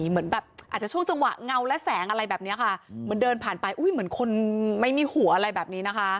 เหมือนแบบอาจจะช่วงจังหวะเงาและแสงอะไรแบบนี้ค่ะเหมือนเดินผ่านไปอุ้ยเหมือนคนไม่มีหัวอะไรแบบนี้นะคะ